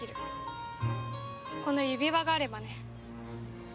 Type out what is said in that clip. この指輪があればね。